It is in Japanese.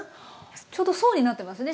ちょうど層になってますね